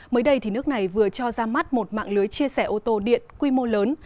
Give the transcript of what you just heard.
mới đây nước này vừa cho ra mắt một mạng lưới chia sẻ ô tô điện quy mô lớn